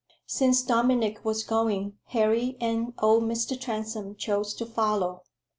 Since Dominic was going, Harry and old Mr. Transome chose to follow.